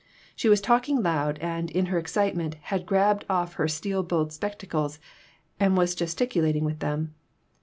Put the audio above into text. She was talking loud, and, in her excitement, had grabbed off her steel bowed spectacles and was gesticulat ing with them.